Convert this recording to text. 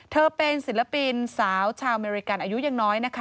เธอเป็นศิลปินสาวชาวอเมริกันอายุยังน้อยนะคะ